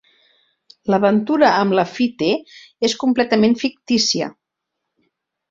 L'aventura amb Lafitte és completament fictícia.